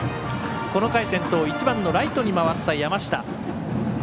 この回、先頭１番のライトに回った山下。